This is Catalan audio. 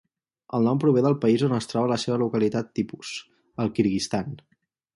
El nom prové del país on es troba la seva localitat tipus: el Kirguizistan.